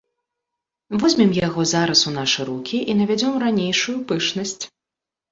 Возьмем яго зараз у нашы рукі і навядзём ранейшую пышнасць.